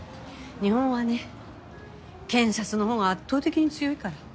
日本はね検察のほうが圧倒的に強いから。